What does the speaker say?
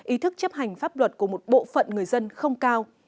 ý thức chấp hành pháp luật của một bộ phận người dân không cao